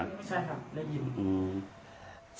ใช่ครับได้ยิน